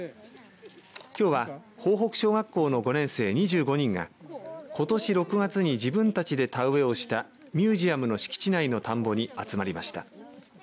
きょうは豊北小学校の５年生２５人がことし６月に自分たちで田植えをしたミュージアムの敷地内の田んぼに集まりました。